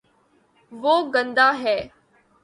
وہ گندا ہے